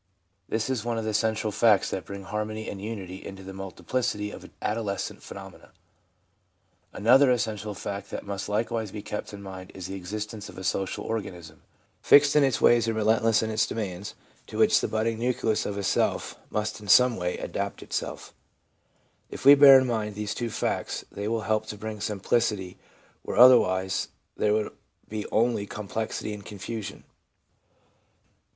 This is one of the central facts that bring harmony and unity into the multiplicity of adolescent phenomena. Another essential fact that must likewise be kept in mind is the existence of a social organism, fixed in its ways and relentless in its demands, to which the budding nucleus of a self must in some way adapt itself If we bear in mind these two facts, they will help to bring simplicity where otherwise there would be only com plexity and confusion.